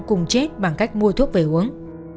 cùng chết bằng cách mua thuốc về uống